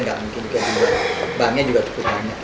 nggak mungkin juga banknya juga cukup banyak